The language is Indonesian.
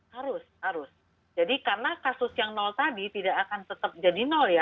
harus harus jadi karena kasus yang nol tadi tidak akan tetap jadi nol ya